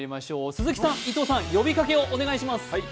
鈴木さん、伊藤さん呼びかけをお願いします。